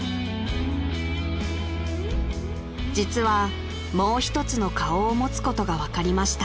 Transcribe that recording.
［実はもう一つの顔を持つことが分かりました］